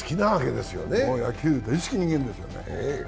野球大好き人間なんですよ。